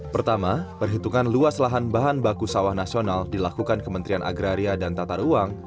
pertama perhitungan luas lahan bahan baku sawah nasional dilakukan kementerian agraria dan tata ruang